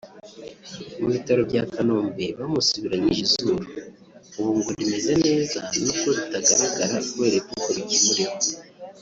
Ku bitaro bya Kanombe bamusubiranyije izuru ubu ngo rimeze neza nubwo ritagaragara kubera ibipfuko bikimuriho